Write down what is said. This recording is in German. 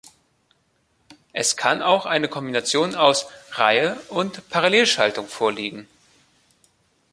Es kann auch eine Kombination aus Reihe- und Parallelschaltung vorliegen.